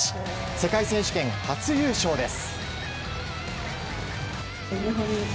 世界選手権初優勝です。